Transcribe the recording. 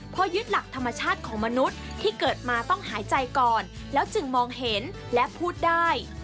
พอยึดหลักธรรมชาติของมนุษย์ที่เกิดมาต้องหายใจก่อนแล้วจึงมองเห็นและพูดได้